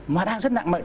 mà đang rất nặng mệnh